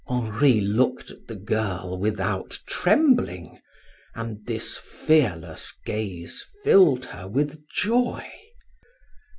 Henri looked at the girl without trembling, and this fearless gaze filled her with joy.